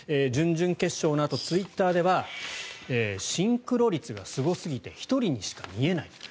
準々決勝のあとツイッターではシンクロ率がすごすぎて１人にしか見えない。